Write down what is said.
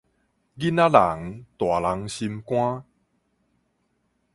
囡仔人，大人心肝